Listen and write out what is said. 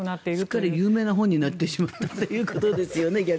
すっかり有名な本に逆になってしまったということですよね。